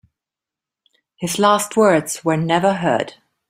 His last words were never heard.